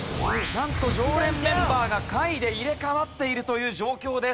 なんと常連メンバーが下位で入れ替わっているという状況です。